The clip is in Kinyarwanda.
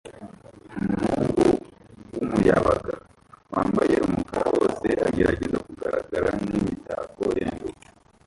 Umuhungu wumuyabaga wambaye umukara wose agerageza kugaragara nkimitako ihendutse